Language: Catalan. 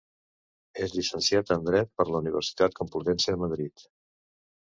És llicenciat en Dret per la Universitat Complutense de Madrid.